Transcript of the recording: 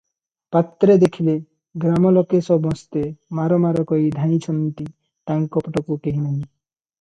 ପାତ୍ରେ ଦେଖିଲେ ଗ୍ରାମ ଲୋକେ ସମସ୍ତେ ମାର ମାର କହି ଧାଇଁଛନ୍ତି, ତାଙ୍କ ପଟକୁ କେହି ନାହିଁ ।